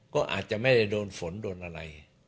ก็อาจจะไม่ได้โดนฝนโดนอะไร